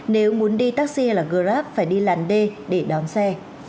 nếu muốn đi taxi là grab phải đi làn d để đón xe